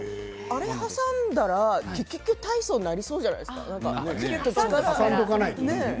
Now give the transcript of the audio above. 挟んだらＱＱＱ体操になりそうじゃないですか。